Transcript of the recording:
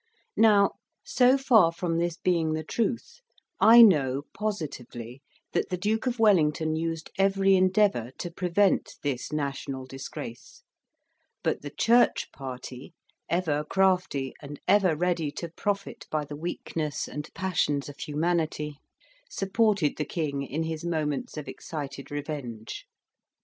Now, so far from this being the truth, I know positively that the Duke of Wellington used every endeavour to prevent this national disgrace; but the Church party, ever crafty and ever ready to profit by the weakness and passions of humanity, supported the King in his moments of excited revenge.